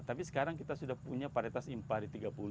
tapi sekarang kita sudah punya paritas impari tiga puluh